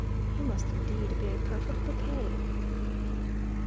He must indeed be a perfect bouquet.